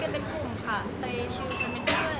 ก็ไม่ต้องถามอะไรขนาดนี้